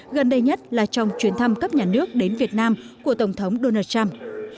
gần đây nhất là trong chuyến thăm cấp nhà nước đến việt nam của tổng thống donald trump